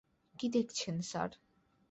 কী দেখছেন স্যার?